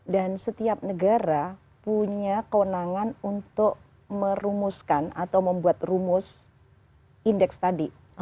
dan setiap negara punya kewenangan untuk merumuskan atau membuat rumus indeks tadi